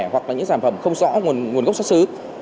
hoặc là những sản phẩm không rõ nguồn gốc xuất xứ